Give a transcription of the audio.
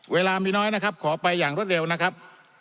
เวลามีน้อยนะครับขอไปอย่างรวดเร็วนะครับ